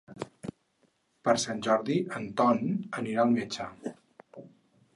Per Sant Jordi en Ton anirà al metge.